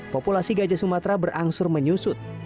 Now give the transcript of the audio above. populasi gajah sumatera berangsur menyusut